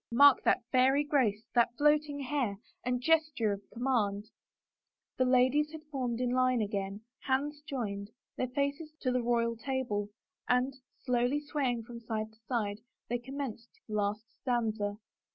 Mark that fairy grace, that floating hair, and gesture of com mand 1 " The ladies had formed in line again, hands joined, their faces to the royal table, and, slowly swaying from side to side, they commenced the last stanza.